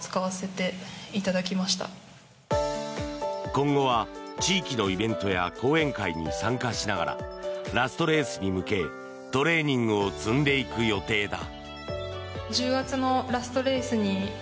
今後は地域のイベントや講演会に参加しながらラストレースに向けトレーニングを積んでいく予定だ。